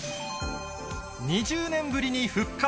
２０年ぶりに復活。